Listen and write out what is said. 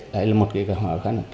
đấy là một cái khó khăn